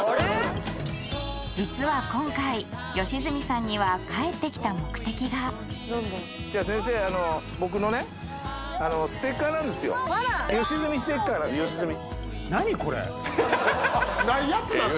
実は今回良純さんには帰ってきた目的がじゃ先生あっないやつなんですね